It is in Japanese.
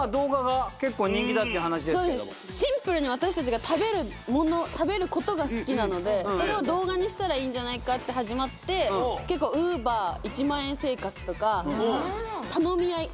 シンプルに私たちが食べることが好きなのでそれを動画にしたらいいんじゃないかって始まって結構ウーバー１万円生活とか頼み合い